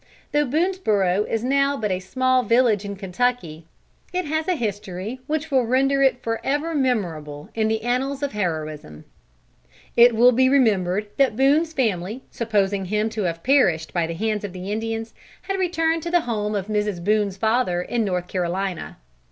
Though Boonesborough is now but a small village in Kentucky, it has a history which will render it forever memorable in the annals of heroism. It will be remembered that Boone's family, supposing him to have perished by the hands of the Indians, had returned to the home of Mrs. Boone's father in North Carolina.